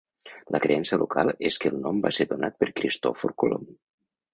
La creença local és que el nom va ser donat per Cristòfor Colom.